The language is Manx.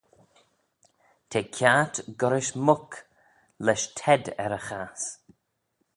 Te kiart goll-rish muck lesh tedd er y chass.